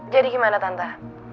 jadi gimana tante